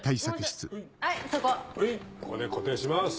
はいここで固定します。